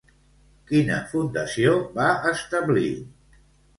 Quina fundació va establir?